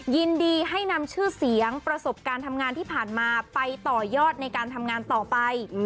ยินดีให้นำชื่อเสียงประสบการณ์ทำงานที่ผ่านมาไปต่อยอดในการทำงานต่อไป